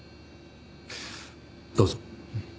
どうぞ。